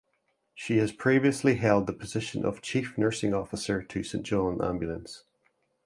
She has previously held the position of Chief Nursing Officer to St John Ambulance.